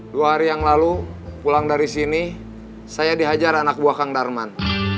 dua hari yang lalu pulang dari sini saya dihajar anak buah kang darman